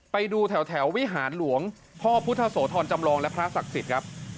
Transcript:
ไปดูแถววิหารหลวงพ่อพุทธโสธรจำลองและพระศักดิ์สิทธิ์ครับ